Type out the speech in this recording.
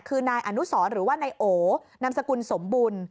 คือนายอนุสรหรือว่านายโอนามสกุลสมบุญ